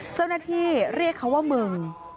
เจ้าหน้าที่เรียกเขาว่ามึง